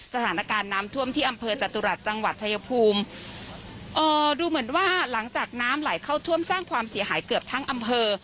สถานการณ์น้ำท่วมที่อำเภอจตุรัสจังหวัดชายภูมิเอ่อดูเหมือนว่าหลังจากน้ำไหลเข้าท่วมสร้างความเสียหายเกือบทั้งอำเภอ